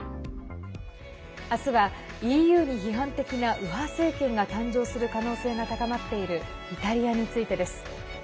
明日はＥＵに批判的な右派政権が誕生する可能性が高まっているイタリアについてです。